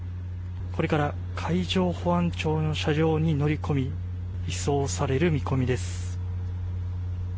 これから海上保安庁の車両に乗り込み移送される見込みです。